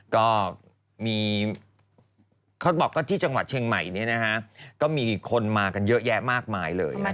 ก็มีเขาบอกว่าที่จังหวัดเชียงใหม่ก็มีคนมากันเยอะแยะมากมายเลย